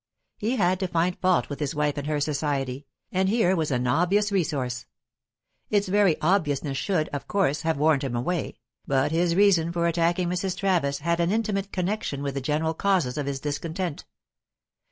He had to find fault with his wife and her society, and here was an obvious resource. Its very obviousness should, of course, have warned him away, but his reason for attacking Mrs. Travis had an intimate connection with the general causes of his discontent.